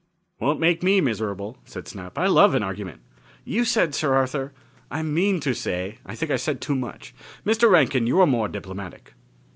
"Won't make me miserable," said Snap. "I love an argument. You said, Sir Arthur " "I mean to say, I think I said too much. Mr. Rankin, you are more diplomatic."